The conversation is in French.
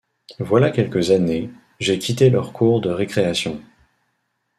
Voilà quelques années, j'ai quitté leur cour de récréation.